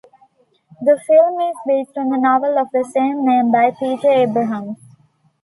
The film is based on the novel of the same name by Peter Abrahams.